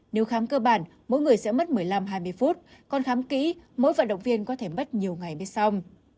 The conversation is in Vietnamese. nếu khám cơ bản mỗi người sẽ mất một mươi năm hai mươi phút còn khám kỹ mỗi vận động viên có thể mất nhiều ngày mới xong